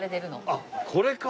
あっこれか。